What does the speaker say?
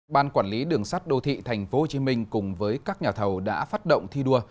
ban quản lý đường sắt đô thị tp hcm cùng với các nhà thầu đã phát động thi đua